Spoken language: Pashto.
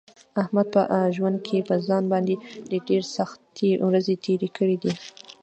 احمد په ژوند کې په ځان باندې ډېرې سختې ورځې تېرې کړې دي.